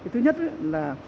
thứ nhất là